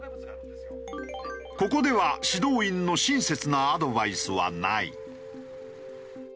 ここでは指導員の親切なアドバイスはない。